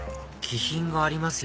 気品がありますよね